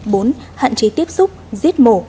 bốn hạn chế tiếp xúc giết mổ